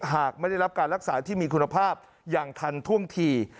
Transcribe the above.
หากไม่ได้รับการรักษาที่มีคุณภาพอย่างทันท่วงที